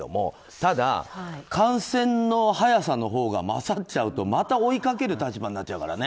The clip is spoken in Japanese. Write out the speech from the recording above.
ただ、感染の速さのほうが勝っちゃうとまた追いかける立場になっちゃうからね。